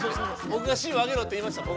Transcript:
ぼくがＣをあげろって言いました。